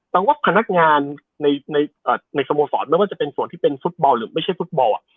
แต่ว่าพนักงานในสโมสรไม่ว่าจะเป็นส่วนที่เป็นฟุตบอลหรือไม่ใช่ฟุตบอล